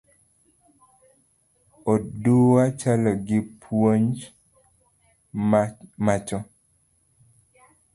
Odua chalo gi puonj macho